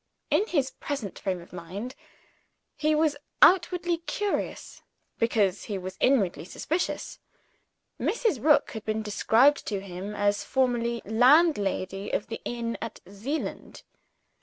In his present frame of mind, he was outwardly courteous, because he was inwardly suspicious. Mrs. Rook had been described to him as formerly landlady of the inn at Zeeland.